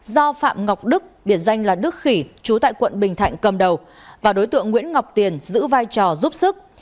do phạm ngọc đức biệt danh là đức khỉ trú tại tp hcm cầm đầu và đối tượng nguyễn ngọc tiền giữ vai trò giúp sức